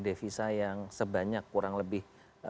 devisa yang sebanyak kurang lebih